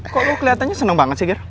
kok lo kelihatannya seneng banget sih gir